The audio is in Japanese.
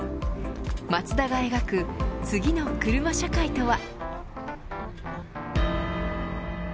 マツダが描く次のクルマ社会とは。